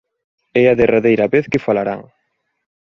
É a derradeira vez que falarán.